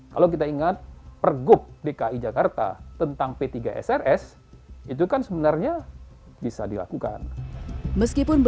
kalau kita ingat pergub dki jakarta tentang p tiga srs itu kan sebenarnya bisa dilakukan